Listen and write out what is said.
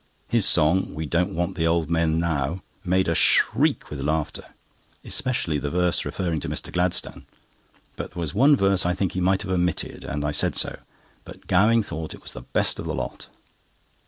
His song: "We don't Want the old men now," made us shriek with laughter, especially the verse referring to Mr. Gladstone; but there was one verse I think he might have omitted, and I said so, but Gowing thought it was the best of the lot.